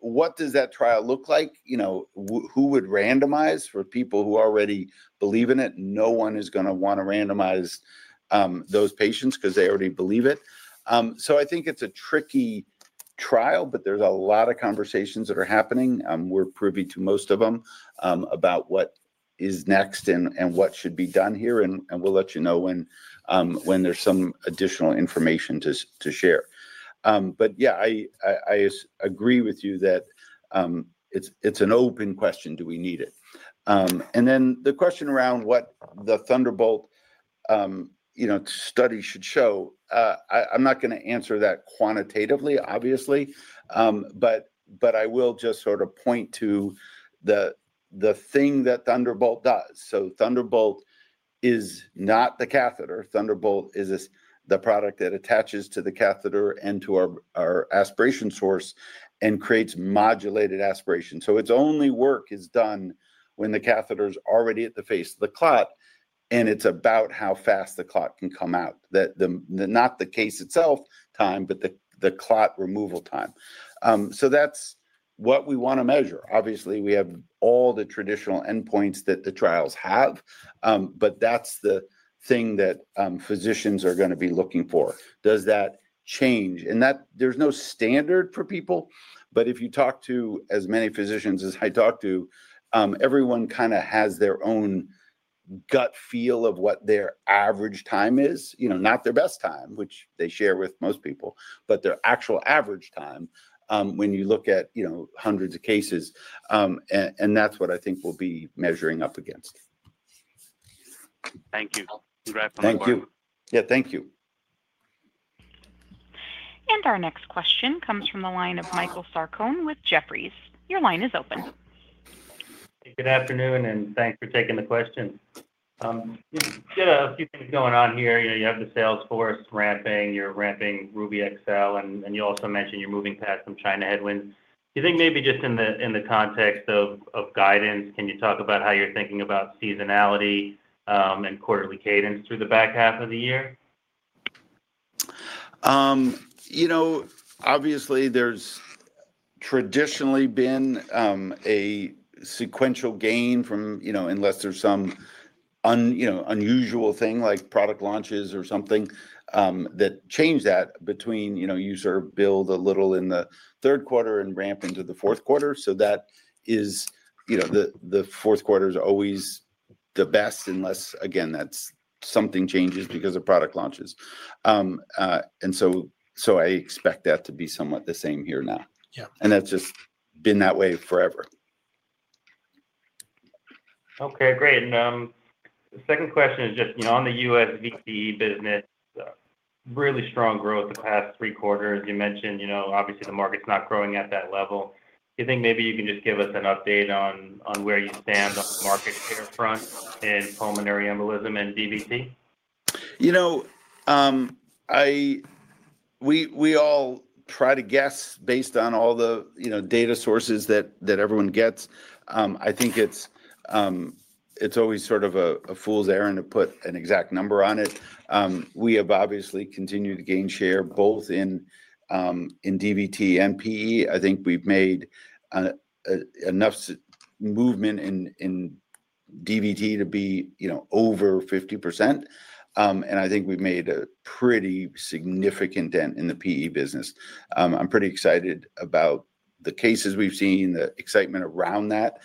What does that trial look like? Who would randomize for people who already believe in it? No one is going to want to randomize those patients because they already believe it. I think it's a tricky trial, but there's a lot of conversations that are happening. We're privy to most of them about what is next and what should be done here. We'll let you know when there's some additional information to share. Yeah, I agree with you that it's an open question. Do we need it? The question around what the Thunderbolt study should show, I'm not going to answer that quantitatively, obviously. I will just sort of point to the thing that Thunderbolt does. Thunderbolt is not the catheter. Thunderbolt is the product that attaches to the catheter and to our aspiration source and creates modulated aspiration. Its only work is done when the catheter is already at the face of the clot, and it's about how fast the clot can come out. Not the case itself time, but the clot removal time. That's what we want to measure. Obviously, we have all the traditional endpoints that the trials have, but that's the thing that physicians are going to be looking for. Does that change? There's no standard for people. If you talk to as many physicians as I talk to, everyone kind of has their own gut feel of what their average time is, not their best time, which they share with most people, but their actual average time when you look at hundreds of cases. That's what I think we'll be measuring up against. Thank you. Congrats on the quarter. Thank you. Yeah, thank you. Our next question comes from the line of Michael Sarcone with Jefferies. Your line is open. Good afternoon, and thanks for taking the question. You've got a few things going on here. You have the Salesforce ramping. You're ramping Ruby XL. And you also mentioned you're moving past some China headwinds. Do you think maybe just in the context of guidance, can you talk about how you're thinking about seasonality and quarterly cadence through the back half of the year? Obviously, there's traditionally been a sequential gain unless there's some unusual thing like product launches or something that changed that between. You sort of build a little in the third quarter and ramp into the fourth quarter. That is, the fourth quarter is always the best unless, again, something changes because of product launches. I expect that to be somewhat the same here now. That's just been that way forever. Okay. Great. The second question is just on the US VC business. Really strong growth the past three quarters. You mentioned, obviously, the market's not growing at that level. Do you think maybe you can just give us an update on where you stand on the market share front in pulmonary embolism and DVT? We all try to guess based on all the data sources that everyone gets. I think it's always sort of a fool's errand to put an exact number on it. We have obviously continued to gain share both in DVT and PE. I think we've made enough movement in DVT to be over 50%. I think we've made a pretty significantYe dent in the PE business. I'm pretty excited about the cases we've seen, the excitement around that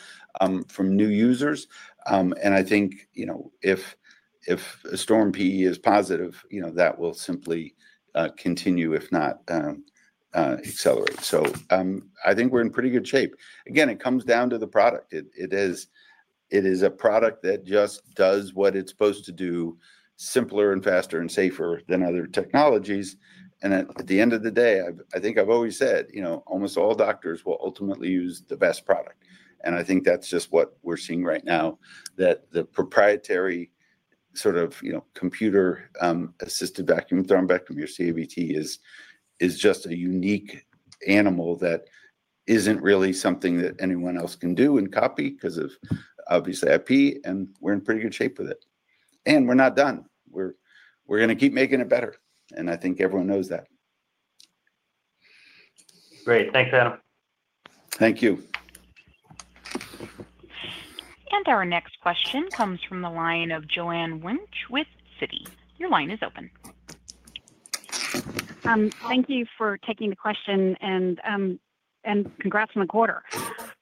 from new users. I think if a STORM-PE is positive, that will simply continue, if not accelerate. I think we're in pretty good shape. Again, it comes down to the product. It is a product that just does what it's supposed to do, simpler and faster and safer than other technologies. At the end of the day, I think I've always said almost all doctors will ultimately use the best product. I think that's just what we're seeing right now, that the proprietary sort of computer assisted vacuum thrombectomy, or CAVT, is just a unique animal that isn't really something that anyone else can do and copy because of, obviously, IP. We're in pretty good shape with it. We're not done. We're going to keep making it better. I think everyone knows that. Great. Thanks, Adam. Thank you. Our next question comes from the line of Joanne Wuensch with Citi. Your line is open. Thank you for taking the question. Congrats on the quarter.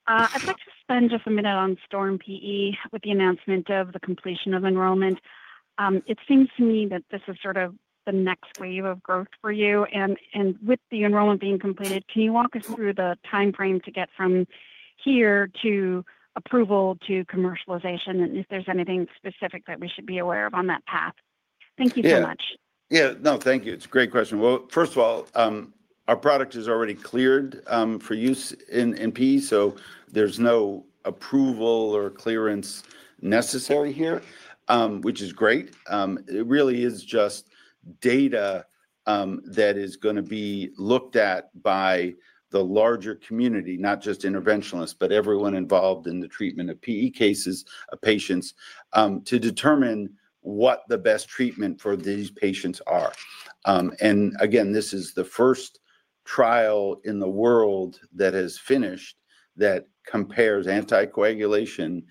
I'd like to spend just a minute on STORM-PE with the announcement of the completion of enrollment. It seems to me that this is sort of the next wave of growth for you. With the enrollment being completed, can you walk us through the timeframe to get from here to approval to commercialization and if there's anything specific that we should be aware of on that path? Thank you so much. Yeah. No, thank you. It's a great question. First of all, our product is already cleared for use in PE. There's no approval or clearance necessary here, which is great. It really is just data that is going to be looked at by the larger community, not just interventionalists, but everyone involved in the treatment of PE cases of patients to determine what the best treatment for these patients are. Again, this is the first trial in the world that has finished that compares anticoagulation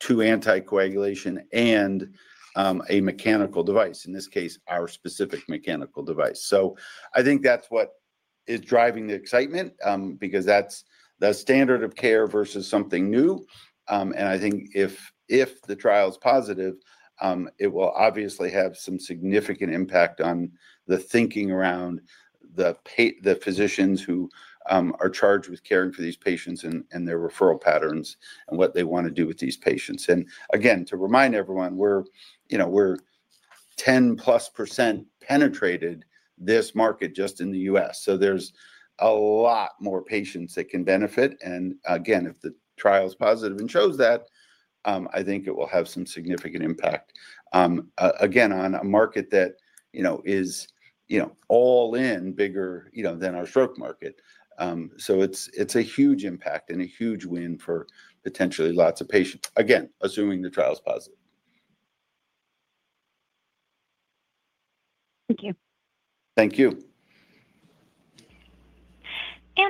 to anticoagulation and a mechanical device, in this case, our specific mechanical device. I think that's what is driving the excitement because that's the standard of care versus something new. I think if the trial is positive, it will obviously have some significant impact on the thinking around the physicians who are charged with caring for these patients and their referral patterns and what they want to do with these patients. Again, to remind everyone, we're 10+% penetrated this market just in the U.S. There's a lot more patients that can benefit. Again, if the trial is positive and shows that, I think it will have some significant impact. Again, on a market that is all in bigger than our stroke market. It's a huge impact and a huge win for potentially lots of patients, again, assuming the trial is positive. Thank you. Thank you.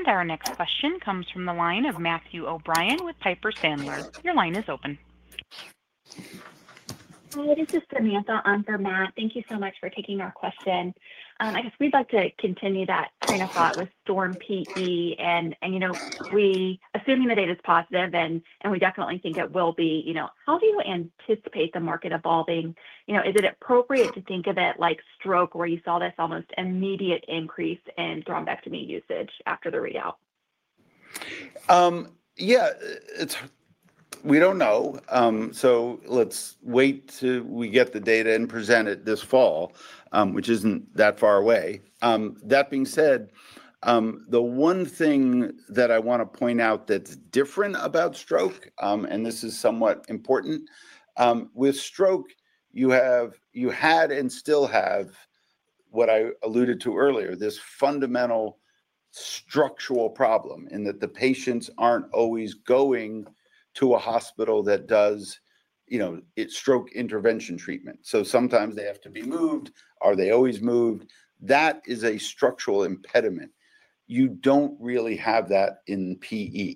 Our next question comes from the line of Matthew O'Brien with Piper Sandler. Your line is open. Hi, this is Samantha on for Matt. Thank you so much for taking our question. I guess we'd like to continue that train of thought with STORM-PE. Assuming the data is positive, and we definitely think it will be, how do you anticipate the market evolving? Is it appropriate to think of it like stroke where you saw this almost immediate increase in thrombectomy usage after the readout? Yeah. We don't know. Let's wait till we get the data and present it this fall, which isn't that far away. That being said, the one thing that I want to point out that's different about stroke, and this is somewhat important. With stroke, you had and still have what I alluded to earlier, this fundamental structural problem in that the patients aren't always going to a hospital that does stroke intervention treatment. Sometimes they have to be moved. Are they always moved? That is a structural impediment. You don't really have that in PE.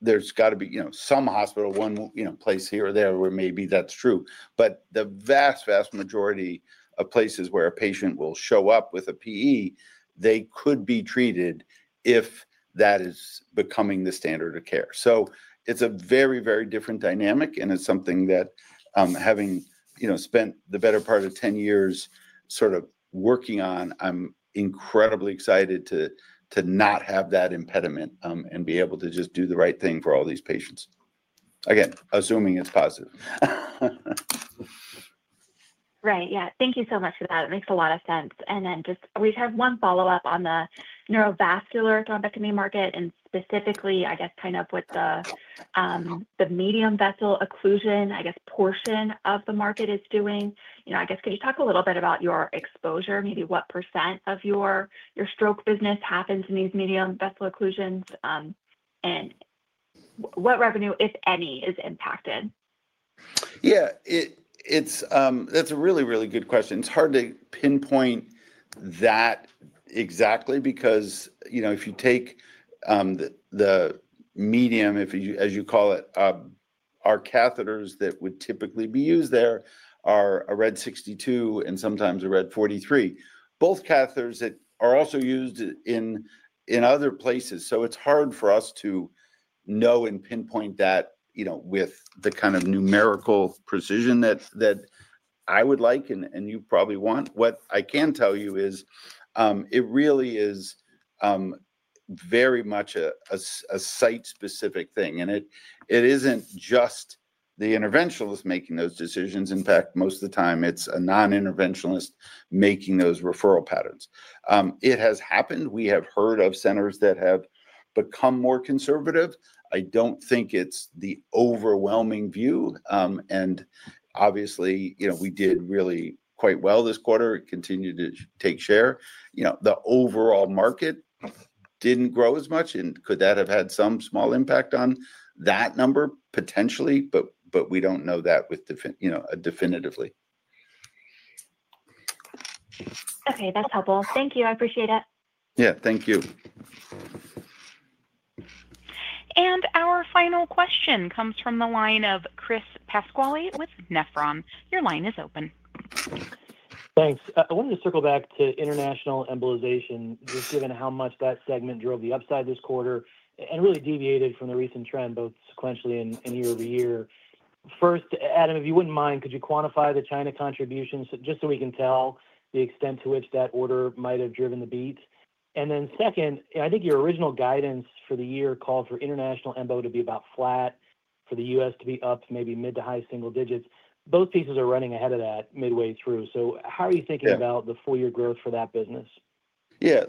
There's got to be some hospital, one place here or there where maybe that's true. The vast, vast majority of places where a patient will show up with a PE, they could be treated if that is becoming the standard of care. It's a very, very different dynamic. It's something that, having spent the better part of 10 years sort of working on, I'm incredibly excited to not have that impediment and be able to just do the right thing for all these patients. Again, assuming it's positive. Right. Yeah. Thank you so much for that. It makes a lot of sense. We just have one follow-up on the neurovascular thrombectomy market and specifically, I guess, kind of what the medium vessel occlusion, I guess, portion of the market is doing. I guess, could you talk a little bit about your exposure, maybe what percent of your stroke business happens in these medium vessel occlusions, and what revenue, if any, is impacted? Yeah. That's a really, really good question. It's hard to pinpoint that exactly because if you take the medium, as you call it, our catheters that would typically be used there are a RED 62 and sometimes a RED 43. Both catheters that are also used in other places. It's hard for us to know and pinpoint that with the kind of numerical precision that I would like and you probably want. What I can tell you is it really is very much a site-specific thing. It isn't just the interventionalist making those decisions. In fact, most of the time, it's a non-interventionalist making those referral patterns. It has happened. We have heard of centers that have become more conservative. I don't think it's the overwhelming view. Obviously, we did really quite well this quarter. It continued to take share. The overall market didn't grow as much. Could that have had some small impact on that number, potentially? We don't know that definitively. Okay. That's helpful. Thank you. I appreciate it. Yeah. Thank you. Our final question comes from the line of Chris Pasquale with Nephron. Your line is open. Thanks. I wanted to circle back to international embolization, just given how much that segment drove the upside this quarter and really deviated from the recent trend, both sequentially and year over year. First, Adam, if you wouldn't mind, could you quantify the China contributions just so we can tell the extent to which that order might have driven the beat? And then second, I think your original guidance for the year called for international embo to be about flat, for the U.S. to be up maybe mid to high single digits. Both pieces are running ahead of that midway through. How are you thinking about the four-year growth for that business? Yeah.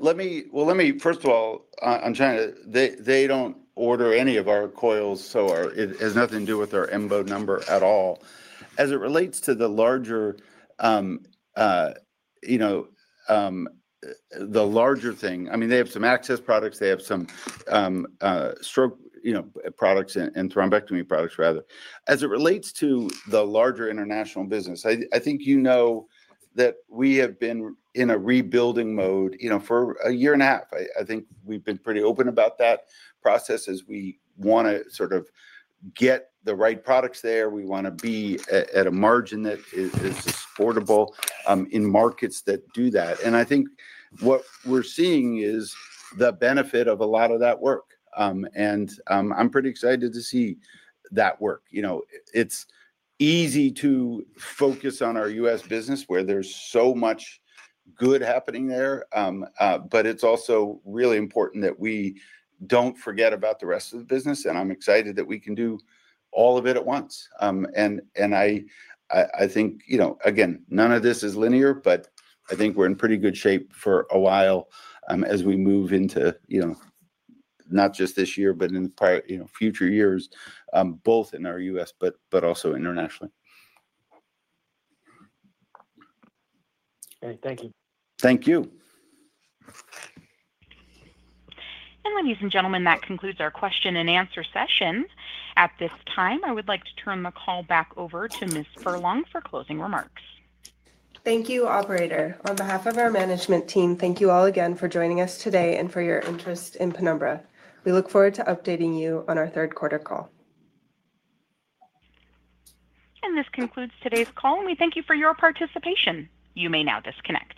First of all, on China, they do not order any of our coils, so it has nothing to do with our embo number at all. As it relates to the larger thing, I mean, they have some access products. They have some stroke products and thrombectomy products, rather. As it relates to the larger international business, I think you know that we have been in a rebuilding mode for a year and a half. I think we have been pretty open about that process as we want to sort of get the right products there. We want to be at a margin that is affordable in markets that do that. I think what we are seeing is the benefit of a lot of that work. I am pretty excited to see that work. It is easy to focus on our US business where there is so much good happening there. It is also really important that we do not forget about the rest of the business. I am excited that we can do all of it at once. I think, again, none of this is linear, but I think we are in pretty good shape for a while as we move into not just this year, but in future years, both in our US, but also internationally. Okay. Thank you. Thank you. Ladies and gentlemen, that concludes our question and answer session. At this time, I would like to turn the call back over to Ms. Furlong for closing remarks. Thank you, operator. On behalf of our management team, thank you all again for joining us today and for your interest in Penumbra. We look forward to updating you on our third quarter call. This concludes today's call. We thank you for your participation. You may now disconnect.